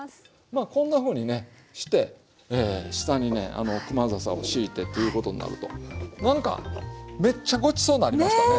まあこんなふうにして下にねクマザサを敷いてということになると何かめっちゃごちそうになりましたね。